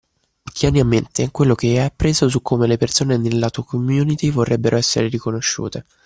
Tieni a mente quello che hai appreso su come le persone nella tua community vorrebbero essere riconosciute